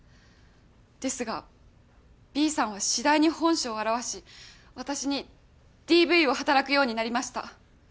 ですがＢさんは次第に本性を現し私にＤＶを働くようになりました。